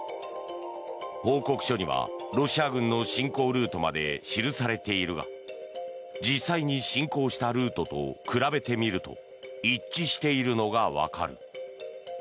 報告書にはロシア軍の侵攻ルートまで記されているが実際に侵攻したルートと比べてみると一致しているのがわかる。